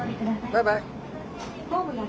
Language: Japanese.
バイバイ。